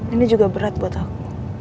ini juga berat buat aku